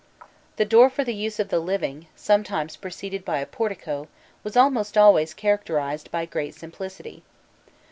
The door for the use of the living, sometimes preceded by a portico, was almost always characterized by great simplicity.